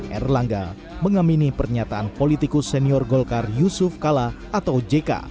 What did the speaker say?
erlangga mengamini pernyataan politikus senior golkar yusuf kala atau jk